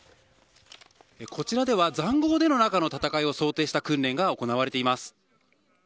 こちらでは塹壕の中での戦いを想定した訓練が行われています。